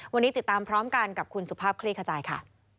วันนี้ติดตามพร้อมกันกับคุณสุภาพคลี่ขจายค่ะ